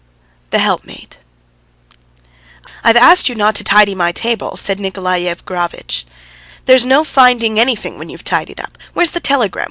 THE HELPMATE "I'VE asked you not to tidy my table," said Nikolay Yevgrafitch. "There's no finding anything when you've tidied up. Where's the telegram?